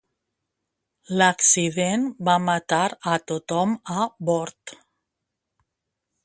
L'accident va matar a tothom a bord.